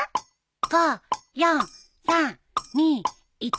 ５４３２１。